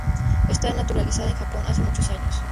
Esta naturalizada en Japón hace muchos años.